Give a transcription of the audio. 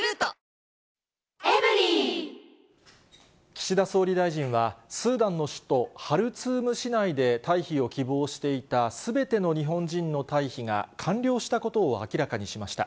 岸田総理大臣は、スーダンの首都ハルツーム市内で退避を希望していたすべての日本人の退避が完了したことを明らかにしました。